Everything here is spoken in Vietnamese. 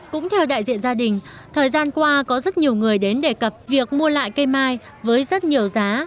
cũng theo đại diện gia đình thời gian qua có rất nhiều người đến đề cập việc mua lại cây mai với rất nhiều giá